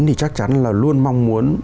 thì chắc chắn là luôn mong muốn